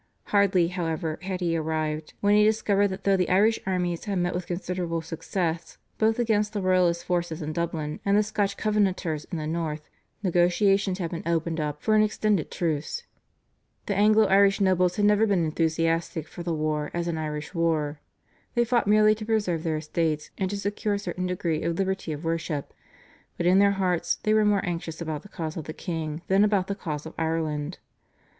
Hardly, however, had he arrived, when he discovered that though the Irish armies had met with considerable success both against the Royalist forces in Dublin and the Scotch Covenanters in the North, negotiations had been opened up for an extended truce. The Anglo Irish nobles had never been enthusiastic for the war as an Irish war. They fought merely to preserve their estates and to secure a certain degree of liberty of worship, but in their hearts they were more anxious about the cause of the king than about the cause of Ireland.